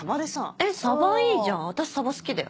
えっサバいいじゃん私サバ好きだよ。